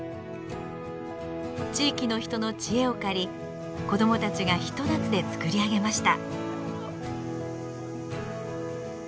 地域の人の知恵を借り子どもたちがひと夏で造り上げました。